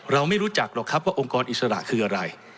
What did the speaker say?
ไม่รู้จักหรอกครับว่าองค์กรอิสระคืออะไร